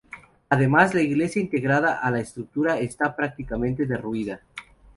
Además, la iglesia integrada a la estructura está prácticamente derruida.